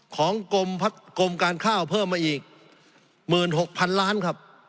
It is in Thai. ของกรมการข้าวเพิ่มมาอีก๑๖๐๐๐ล้านครับ